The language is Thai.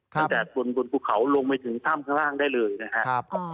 ตั้งแต่บนภูเขาลงไปถึงถ้ำข้างล่างได้เลยนะครับ